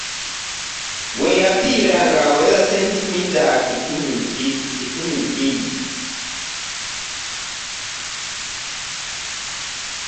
We yafiira ng’aweza sentimiita kikumi bbiri.